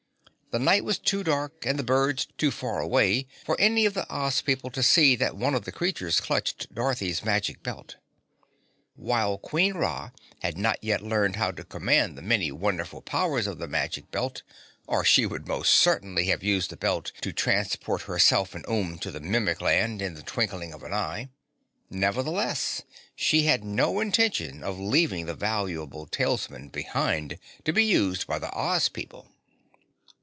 The night was too dark and the birds too far away for any of the Oz people to see that one of the creatures clutched Dorothy's Magic Belt. While Queen Ra had not yet learned how to command the many wonderful powers of the Magic Belt (or she would most certainly have used the belt to transport herself and Umb to the Mimic Land in the twinkling of an eye), nevertheless she had no intention of leaving the valuable talisman behind to be used by the Oz people.